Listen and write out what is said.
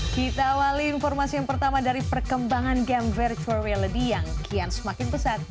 kita awali informasi yang pertama dari perkembangan game virtual reality yang kian semakin pesat